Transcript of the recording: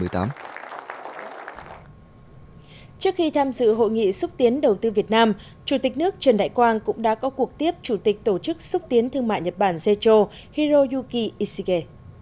trước khi tham dự hội nghị xúc tiến đầu tư việt nam chủ tịch nước trần đại quang cũng đã có cuộc tiếp chủ tịch tổ chức xúc tiến thương mại nhật bản zecho hiroyuki ishige